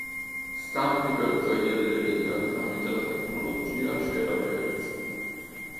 Stampi per gioielleria tramite la tecnologia cera persa.